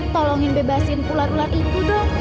tolongin bebasin ular ular itu dong